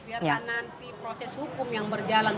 biarlah nanti proses hukum yang berjalan